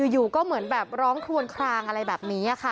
อยู่ก็เหมือนแบบร้องคลวนคลางอะไรแบบนี้ค่ะ